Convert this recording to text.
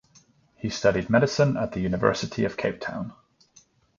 He studied medicine at the University of Cape Town.